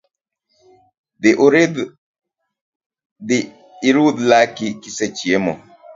Dhi irudh laki kisechiemo